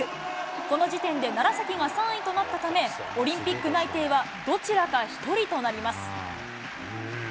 この時点で楢崎が３位となったため、オリンピック内定はどちらか１人となります。